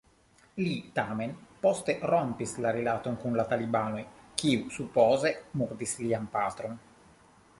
Li tamen poste rompis la rilaton kun la talibanoj, kiuj supoze murdis lian patron.